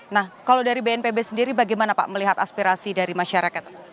nah kalau dari bnpb sendiri bagaimana pak melihat aspirasi dari masyarakat